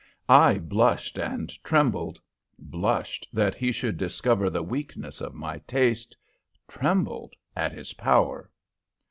'" I blushed and trembled. Blushed that he should discover the weakness of my taste, trembled at his power.